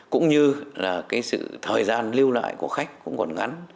cũng như thời gian lưu lại của khách cũng còn ngắn